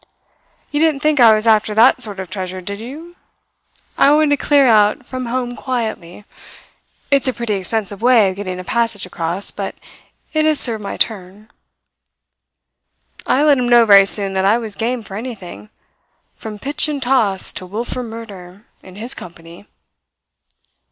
"'You didn't think I was after that sort of treasure, did you? I wanted to clear out from home quietly. It's a pretty expensive way of getting a passage across, but it has served my turn.' "I let him know very soon that I was game for anything, from pitch and toss to wilful murder, in his company.